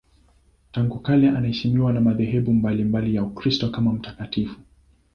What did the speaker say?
Tangu kale anaheshimiwa na madhehebu mbalimbali ya Ukristo kama mtakatifu.